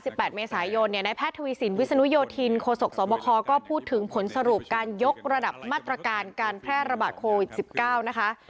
แปดเมษายนเนี่ยนายแพทย์ทวีสินวิศนุโยธินโคศกสวบคก็พูดถึงผลสรุปการยกระดับมาตรการการแพร่ระบาดโควิดสิบเก้านะคะ